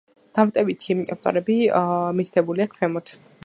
დამატებითი ავტორები მითითებულია ქვემოთ.